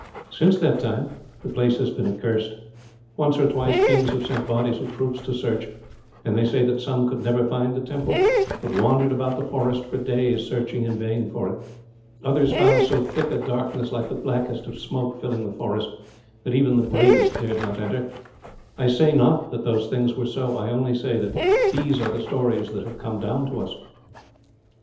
Since that time, the place has been accursed. Once or twice, kings have sent bodies of troops to search; and they say that some could never find the temple, but wandered about the forest for days, searching in vain for it. Others found so thick a darkness, like the blackest of smoke, filling the forest, that even the bravest dare not enter. I say not that those things were so; I only say that these are the stories that have come down to us."